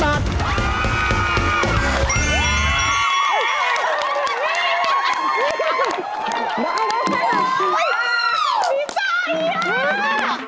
มีใจละ